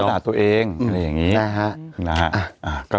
ด่าตัวเองนะครับ